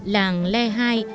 làng le hai